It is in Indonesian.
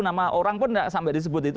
nama orang pun tidak sampai disebut itu